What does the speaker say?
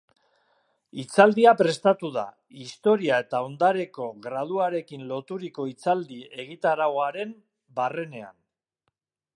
Hitzaldia prestatu da, Historia eta Ondareko Graduarekin loturiko hitzaldi egitarauaren barrenean.